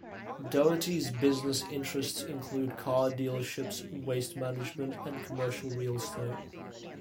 Daugherty's business interests include car dealerships, waste management and commercial real estate.